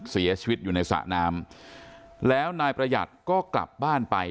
เสียชีวิตอยู่ในสระน้ำแล้วนายประหยัดก็กลับบ้านไป